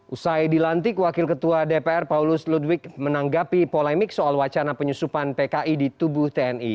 usai dilantik wakil ketua dpr paulus ludwig menanggapi polemik soal wacana penyusupan pki di tubuh tni